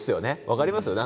分かりますよ。